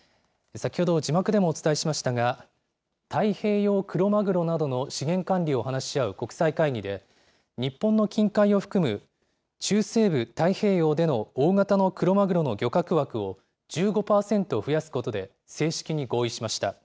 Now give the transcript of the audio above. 先ほど、字幕でもお伝えしましたが、太平洋クロマグロなどの資源管理を話し合う国際会議で、日本の近海を含む、中西部太平洋での大型のクロマグロの漁獲枠を１５％増やすことで、正式に合意しました。